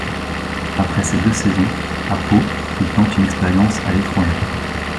Après ses deux saisons à Pau, il tente une expérience à l'étranger.